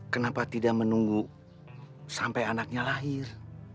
kenapa tidak menunggu sampai anaknya lahir